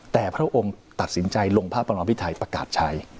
แต่พระองค์ตัดสินใจลงพระบรมพิไทยประกาศใช้